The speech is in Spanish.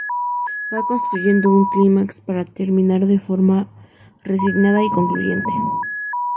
Va construyendo un clímax para terminar de forma resignada y concluyente.